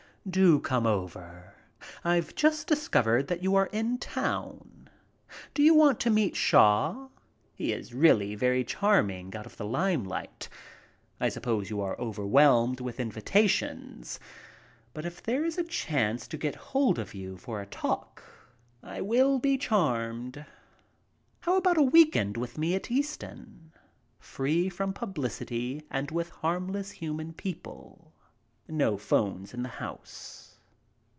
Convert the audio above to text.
"Do come over. I've just discovered that you are in town. Do you want to meet Shaw ? He is really very charm ing out of the limelight. I suppose you are overwhelmed with invitations, but if there is a chance to get hold of you for a talk, I will be charmed. How about a week end with me at Easton, free from publicity and with harmless, human people. No phones in the house."